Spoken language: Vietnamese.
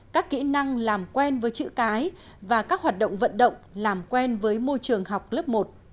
các kỹ năng làm quen với chữ cái và các hoạt động vận động làm quen với môi trường học lớp một